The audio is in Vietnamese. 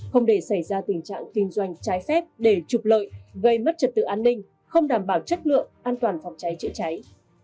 không để xảy ra tình trạng kinh doanh trái phép để trục lợi gây mất trật tự an ninh không đảm bảo chất lượng an toàn phòng cháy chữa cháy